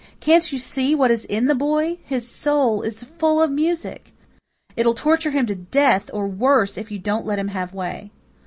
Can't you see what is in the boy? His soul is full of music. It'll torture him to death or to worse if you don't let it have way."